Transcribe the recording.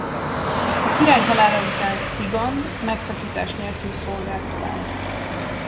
A király halála után Stigand megszakítás nélkül szolgált tovább.